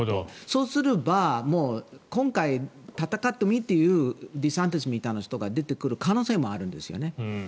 そうすれば今回、戦ってもいいというデサンティスみたいな人が出てくる可能性もあるんですよね。